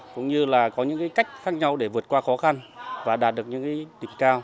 cũng như là có những cách khác nhau để vượt qua khó khăn và đạt được những đỉnh cao